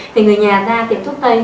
thì người nhà ra tiệm thuốc tây